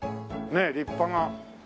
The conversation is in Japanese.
ねえ立派な。